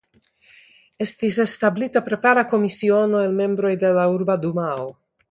Estis establita prepara komisiono el membroj de la urba dumao.